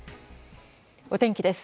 お天気です。